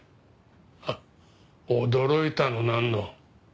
ハッ驚いたのなんの。